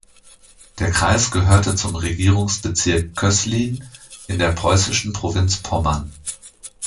Der Kreis gehörte zum Regierungsbezirk Köslin in der preußischen Provinz Pommern.